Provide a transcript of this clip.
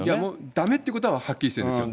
だめってことははっきりしてるんですよ。